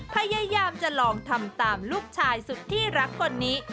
พยายามจะลองทำตามลูกชายสุดที่รักคนนี้